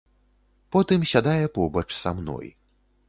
Потым сядае побач са мной.